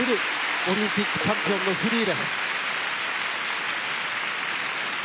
オリンピックチャンピオンのフリーです。